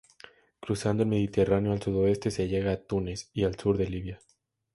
Cruzando el Mediterráneo al sudoeste se llega a Túnez y al sur Libia.